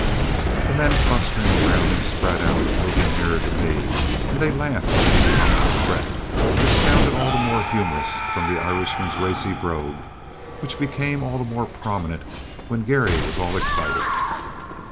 The men clustering round him spread out, moving nearer to me; and they laughed at his comical threat which sounded all the more humorous from the Irishman's racy brogue, which became all the more prominent when Garry was at all excited.